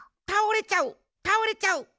たおれちゃうたおれちゃう。